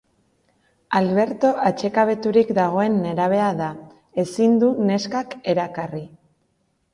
Alberto atsekabeturik dagoen nerabea da: ezin du neskak erakarri.